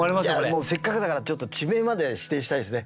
もうせっかくだからちょっと地名まで指定したいですね。